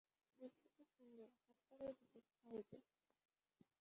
দৃশ্যটি সুন্দর–হাততালি দিতে ইচ্ছা হইতেছে।